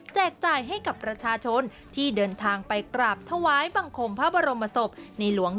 จ่ายให้กับประชาชนที่เดินทางไปกราบถวายบังคมพระบรมศพในหลวง